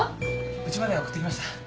うちまで送ってきました。